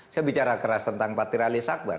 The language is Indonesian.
saya bicara keras tentang fathir ali saqbar